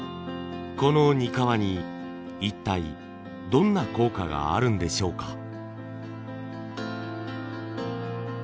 このにかわに一体どんな効果があるんでしょうか？